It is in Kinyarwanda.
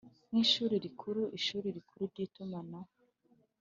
Nk ishuri rikuru ishuri rikuru ry itumanaho